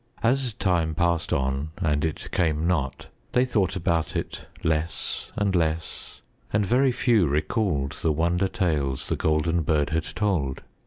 As time passed on and it came not, they thought about it less and less and very few recalled the wonder tales The Golden Bird had told.